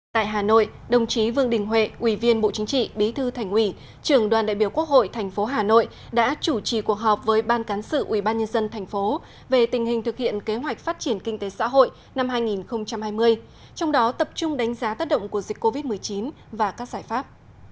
tại hà nội đồng chí vương đình huệ ủy viên bộ chính trị bí thư thành ủy trường đoàn đại biểu quốc hội thành phố hà nội đã chủ trì cuộc họp với ban cán sự ubnd tp về tình hình thực hiện kế hoạch phát triển kinh tế xã hội năm hai nghìn hai mươi trong đó tập trung đánh giá tác động của dịch covid một mươi chín và các giải pháp